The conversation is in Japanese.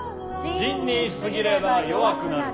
仁に過ぎれば弱くなる！